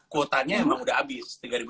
kuotanya emang udah abis